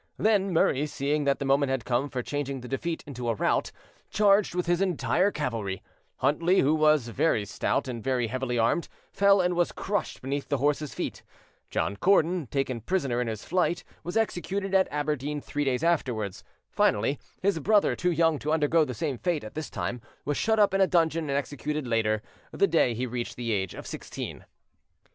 Then Murray seeing that the moment had come for changing the defeat into a rout, charged with his entire cavalry: Huntly, who was very stout and very heavily armed, fell and was crushed beneath the horses' feet; John Cordon, taken prisoner in his flight, was executed at Aberdeen three days afterwards; finally, his brother, too young to undergo the same fate at this time, was shut up in a dungeon and executed later, the day he reached the age of sixteen.